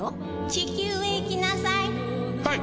「地球へ行きなさい」